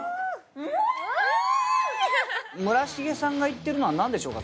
村重さんがいってるのはなんでしょうか？